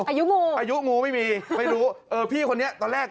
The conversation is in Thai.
อายุงูอายุงูไม่มีไม่รู้เออพี่คนนี้ตอนแรก